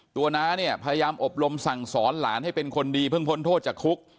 น้าเนี่ยพยายามอบรมสั่งสอนหลานให้เป็นคนดีเพิ่งพ้นโทษจากคุก